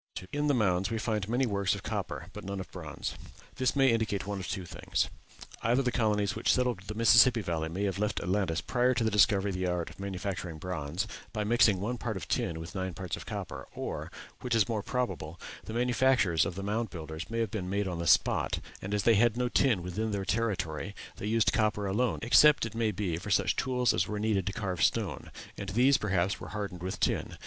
In the mounds we find many works of copper but none of bronze. This may indicate one of two things: either the colonies which settled the Mississippi Valley may have left Atlantis prior to the discovery of the art of manufacturing bronze, by mixing one part of tin with nine parts of copper, or, which is more probable, the manufactures of the Mound Builders may have been made on the spot; and as they had no tin within their territory they used copper alone, except, it may be, for such tools as were needed to carve stone, and these, perhaps, were hardened with tin.